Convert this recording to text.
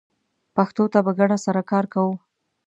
پښتو ته په ګډه سره کار کوو